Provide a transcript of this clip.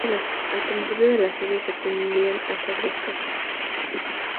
Al principio de la serie, que tendían a ser dos casos.